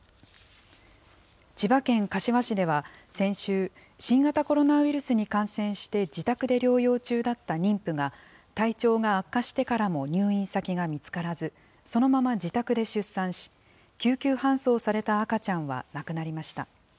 千葉県柏市では先週、新型コロナウイルスに感染して自宅で療養中だった妊婦が体調が悪化してからも入院先が見つからず、そのまま自宅で出産し、救急搬送された赤ちゃんは亡くなりました。